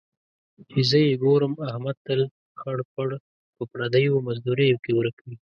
چې زه یې ګورم، احمد تل خړ پړ په پردیو مزدوریو کې ورک وي.